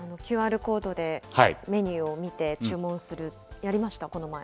ＱＲコードでメニューを見て注文する、やりました、この前。